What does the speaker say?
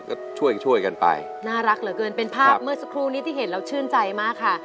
ก็ช่วยช่วยกันไปน่ารักเหลือเกินเป็นภาพเมื่อสักครู่นี้ที่เห็นแล้วชื่นใจมากค่ะ